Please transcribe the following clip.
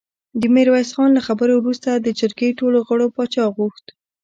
د ميرويس خان له خبرو وروسته د جرګې ټولو غړو پاچا غوښت.